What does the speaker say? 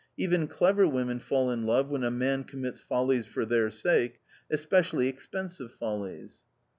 Even clever women fall in love when a man commits follies for their sake, especially expensive follies.'